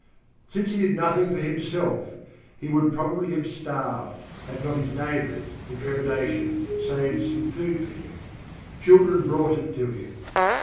Since he did nothing for himself, he would probably have starved had not his neighbours, in trepidation, saved some food for him. Children brought it to him.